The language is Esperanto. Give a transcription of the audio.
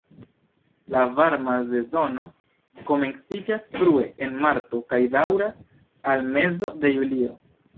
La varma sezono komenciĝas frue en marto kaj daŭras al mezo de julio.